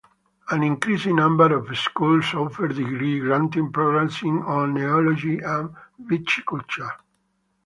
An increasing number of schools offer degree-granting programs in Oenology and Viticulture.